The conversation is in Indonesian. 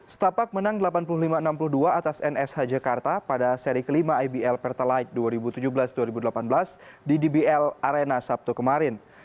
setapak menang delapan puluh lima enam puluh dua atas nsh jakarta pada seri kelima ibl pertalite dua ribu tujuh belas dua ribu delapan belas di dbl arena sabtu kemarin